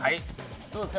どうですか？